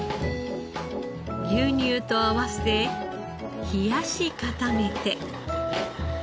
牛乳と合わせ冷やし固めて。